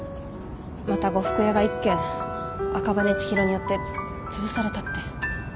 また呉服屋が１軒赤羽千尋によってつぶされたって。